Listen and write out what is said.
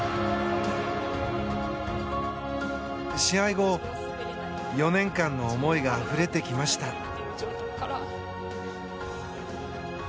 試合後、４年間の思いがあふれてきました。